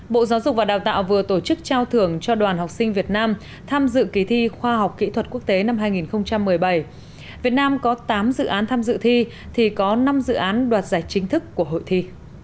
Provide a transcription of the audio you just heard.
bộ giáo dục và đào tạo vừa tổ chức trao thưởng cho đoàn học sinh việt nam tham dự kỳ thi khoa học kỹ thuật quốc tế năm hai nghìn một mươi bảy việt nam có tám dự án tham dự thi thì có năm dự án đoạt giải chính thức của hội thi